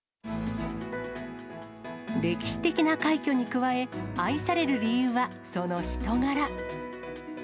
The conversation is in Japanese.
歴史的な快挙に加え、愛される理由はその人柄。